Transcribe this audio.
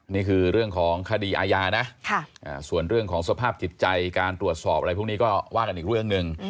นี่คือเรื่องของคดีอาญานะส่วนเรื่องของสภาพจิตใจการตรวจสอบอะไรพวกนี้ก็ว่ากันอีกเรื่องหนึ่ง